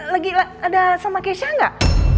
lagi ada sama kesha nggak